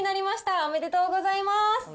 おめでとうございます。